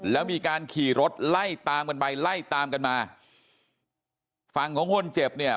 แล้วมีการขี่รถไล่ตามกันไปไล่ตามกันมาฝั่งของคนเจ็บเนี่ย